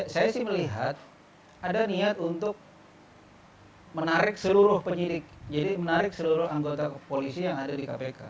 saya sih melihat ada niat untuk menarik seluruh penyidik jadi menarik seluruh anggota polisi yang ada di kpk